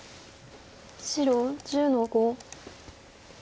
白１０の五。